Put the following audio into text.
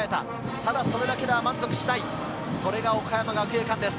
ただ、それだけでは満足しない、それが岡山学芸館です。